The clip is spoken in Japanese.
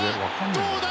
どうだ？